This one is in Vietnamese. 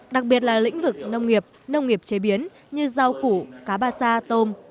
đặc biệt là lĩnh vực nông nghiệp nông nghiệp chế biến như rau củ cá ba sa tôm